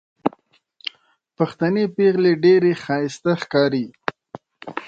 پښتنې پېغلې ډېرې ښايستې ښکاري